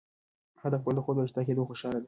هغه د خپل خوب د رښتیا کېدو خوشاله ده.